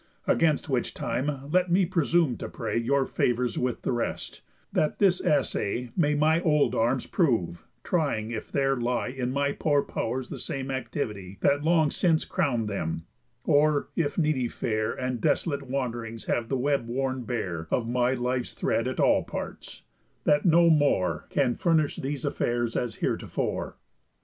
Against which time let me presume to pray Your favours with the rest, that this assay May my old arms prove, trying if there lie In my poor pow'rs the same activity That long since crown'd them; or if needy fare And desolate wand'ring have the web worn bare Of my life's thread at all parts, that no more Can furnish these affairs as heretofore."